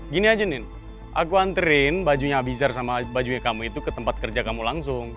gini aja nin aku anterin bajunya abizar sama bajunya kamu itu ke tempat kerja kamu langsung